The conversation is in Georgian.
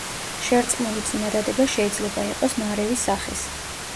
შერწყმული წინადადება შეიძლება იყოს ნარევი სახის.